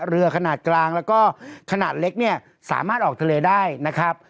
เรือขนาดกลางแล้วก็ขนาดเล็กเนี่ยสามารถออกทะเลได้นะครับ